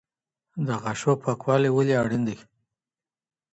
د غاښونو پاکوالی ولي اړین دی؟